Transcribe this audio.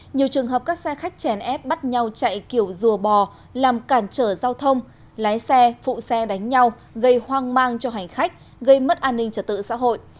nhiều trường hợp các xe khách chèn ép bắt nhau chạy kiểu rùa bò làm cản trở giao thông lái xe phụ xe đánh nhau gây hoang mang cho hành khách gây mất an ninh trật tự xã hội